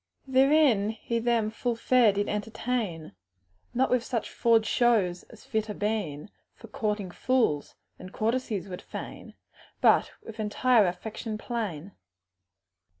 "Therein he them fall fair did entertain, Not with such forged shows as fitter been For courting fools, that courtesies would faine, But with entire affection plain."